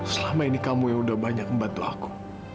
selama ini kamu yang udah banyak membantu aku